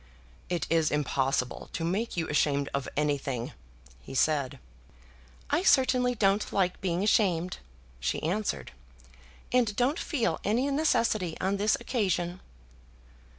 "It is impossible to make you ashamed of anything," he said. "I certainly don't like being ashamed," she answered; "and don't feel any necessity on this occasion."